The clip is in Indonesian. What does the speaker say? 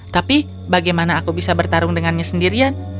tapi bagaimana aku bisa bertarung dengannya sendirian